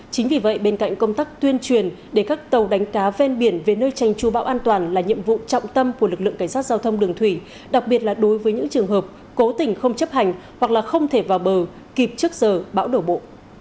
chính vì vậy bên cạnh công tác tuyên truyền để các tàu đánh cá ven biển về nơi tranh trú bão an toàn là nhiệm vụ trọng tâm của lực lượng cảnh sát giao thông đường thủy đặc biệt là đối với những trường hợp cố tình không chấp hành hoặc không thể vào bờ kịp trước giờ bão đổ bộ